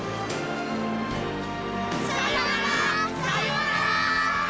さようならさようなら！